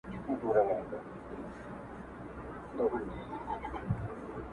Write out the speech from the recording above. چي زه او ته راضي، حاجت څه دئ د قاضي.